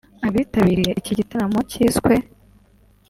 Abitabiriye iki gitaramo cyiswe �